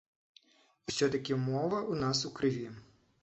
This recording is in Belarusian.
Усё-такі мова ў нас у крыві.